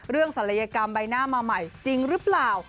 ศัลยกรรมใบหน้ามาใหม่จริงหรือเปล่า